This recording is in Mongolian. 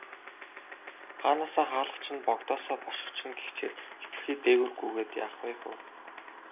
Хаанаасаа хаалгач нь, богдоосоо бошгоч нь гэгчээр хэтэрхий дээгүүр гүйгээд яах вэ хөө.